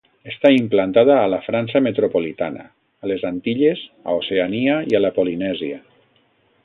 Està implantada a la França metropolitana, a les Antilles, a Oceania i a la Polinèsia.